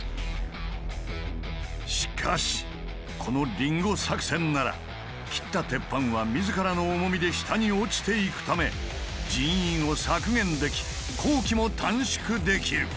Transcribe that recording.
しかしこのリンゴ作戦なら切った鉄板は自らの重みで下に落ちていくため人員を削減でき工期も短縮できる。